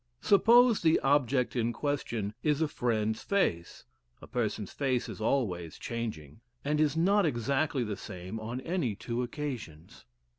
Suppose the object in question is a friend's face. A person's face is always changing, and is not exactly the same on any two occasions.